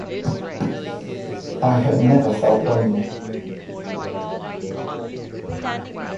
I have never felt lonely.